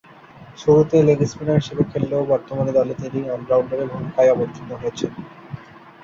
শুরুতে লেগ-স্পিনার হিসেবে খেললেও বর্তমানে দলে তিনি অল-রাউন্ডারের ভূমিকায় অবতীর্ণ হয়েছেন।